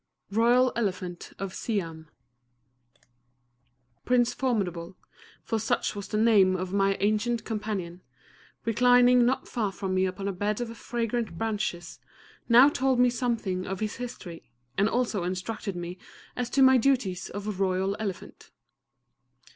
ROYAL ELEPHANT OF SIAM Prince Formidable, for such was the name of my ancient companion, reclining not far from me upon a bed of fragrant branches, now told me something of his history, and also instructed me as to my duties of Royal Elephant.